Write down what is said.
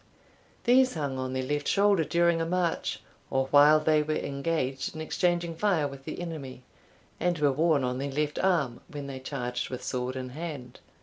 These hung on their left shoulder during a march, or while they were engaged in exchanging fire with the enemy, and were worn on their left arm when they charged with sword in hand.